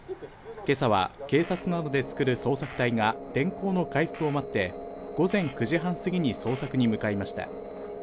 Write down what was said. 今朝は警察などでつくる捜索隊が天候の回復を待って午前９時半過ぎに捜索に向かいました。